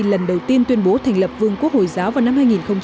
lần đầu tiên tuyên bố thành lập vương quốc hồi giáo vào năm hai nghìn một mươi